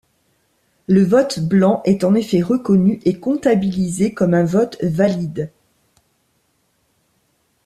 Le vote blanc est en effet reconnu et comptabilisé comme un vote valide.